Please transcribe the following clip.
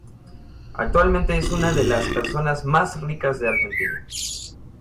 Actualmente es una de las personas más ricas de Argentina.